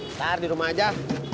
ntar di rumah aja